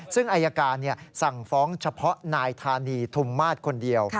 ซึ่งอายการสั่งฟ้องเฉพาะนายธานีธุมมาศคนเดียว